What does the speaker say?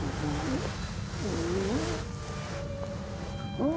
うん。